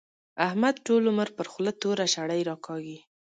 احمد ټول عمر پر خوله توره شړۍ راکاږي.